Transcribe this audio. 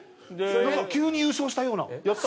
なんか急に優勝したようなやった！